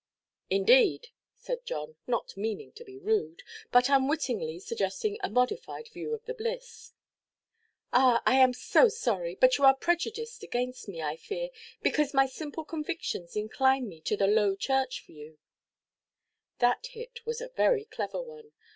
"Indeed!" said John, not meaning to be rude, but unwittingly suggesting a modified view of the bliss. "Ah, I am so sorry; but you are prejudiced against me, I fear, because my simple convictions incline me to the Low Church view." That hit was a very clever one.